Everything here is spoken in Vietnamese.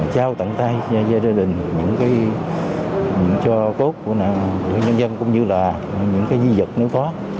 chào tận tay gia đình những cái cho cốt của nhân dân cũng như là những cái di dật nếu có